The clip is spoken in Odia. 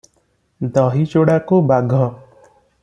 ଦହି ଚୂଡ଼ାକୁ ବାଘ ।।